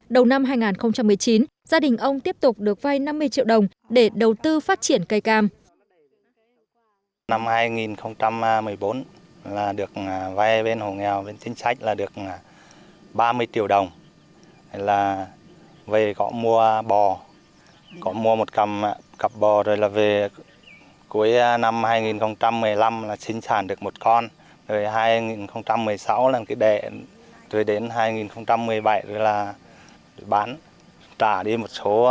đầu năm hai nghìn một mươi chín gia đình ông tiếp tục được vay năm mươi triệu đồng để đầu tư phát triển cây cam